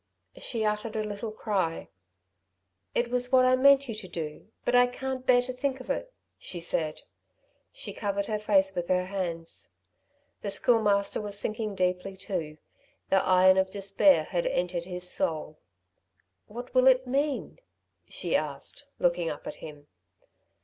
She uttered a little cry. "It was what I meant you to do, but I can't bear to think of it," she said. She covered her face with her hands. The Schoolmaster was thinking deeply too; the iron of despair had entered his soul. "What will it mean?" she asked, looking up at him.